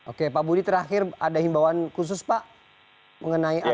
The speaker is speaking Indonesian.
oke pak budi terakhir ada himbauan khusus pak mengenai apa